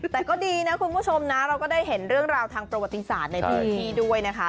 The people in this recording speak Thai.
แต่ก็ดีนะคุณผู้ชมนะเราก็ได้เห็นเรื่องราวทางประวัติศาสตร์ในพื้นที่ด้วยนะคะ